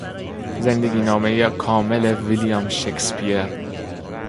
زندگینامهی کامل ویلیام شکسپیر